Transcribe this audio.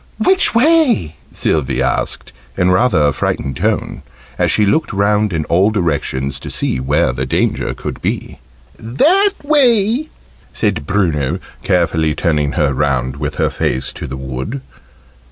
"Which way?" Sylvie asked, in rather a frightened tone, as she looked round in all directions to see where the danger could be. "That way!" said Bruno, carefully turning her round with her face to the wood.